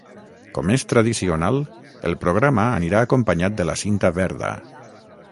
Com és tradicional, el programa anirà acompanyat de la cinta verda.